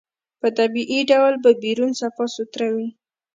په طبيعي ډول به بيرون صفا سوتره وي.